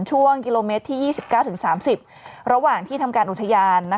ช่วงกิโลเมตรที่๒๙๓๐ระหว่างที่ทำการอุทยาน